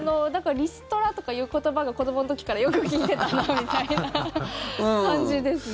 リストラとかいう言葉は子どもの時からよく聞いていた感じですね。